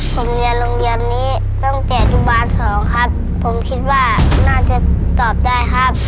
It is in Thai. ผมเรียนโรงเรียนนี้ตั้งแต่อนุบาลสองครับผมคิดว่าน่าจะตอบได้ครับ